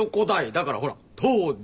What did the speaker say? だからほら東大。